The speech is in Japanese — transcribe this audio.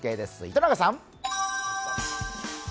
糸永さん！